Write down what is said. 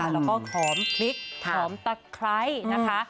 แล้วก็หอมพริกหอมตะไคร้นะคะ